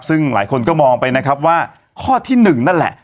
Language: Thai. ซึ่งหลายคนก็มองไปนะครับว่าข้อที่หนึ่งนั่นแหละ